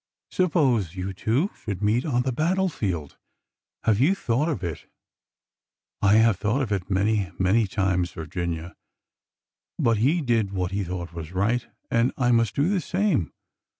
" Suppose you two should meet on the battle field. Have you thought of it?" 196 ORDER NO. 11 " I have thought of it many, many times, Virginia. But — he did what he thought was right, and I must do the same.